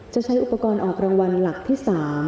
ใช้อุปกรณ์ออกรางวัลหลักที่๓